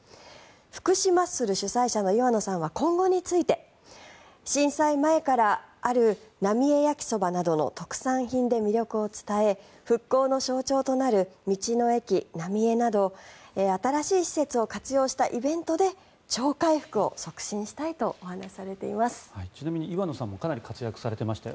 福島ッスル主催者の岩野さんは今後について震災前からあるなみえ焼そばなどの特産品で魅力を伝え復興の象徴となる道の駅なみえなど新しい施設を活用したイベントで超回復を促進したいとちなみに岩野さんもかなり活躍されてました。